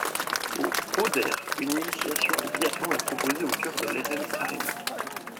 Aux Haudères, une initiation au biathlon est proposée au cœur de l'Hérens Aréna.